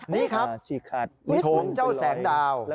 นี่ครับโฉมเจ้าแสงดาว